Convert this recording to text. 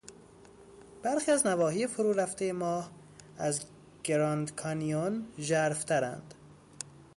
برخی از نواحی فرورفتهی ماه از گراندکانیون ژرفترند.